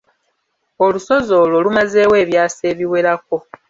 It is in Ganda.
Olusozi olwo lumazeewo ebyasa ebiwerako.